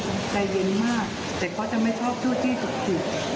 เขาเป็นคนใจเย็นมากแต่เขาจะไม่ชอบชื่อที่ถูกผิด